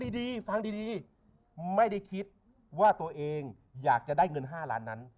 ดีฟังดีไม่ได้คิดว่าตัวเองอยากจะได้เงิน๕ล้านนั้น